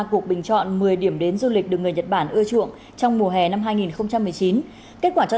cuộc bình chọn một mươi điểm đến du lịch được người nhật bản ưa chuộng trong mùa hè năm hai nghìn một mươi chín kết quả cho